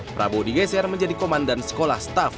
prabowo digeser menjadi komandan sekolah staff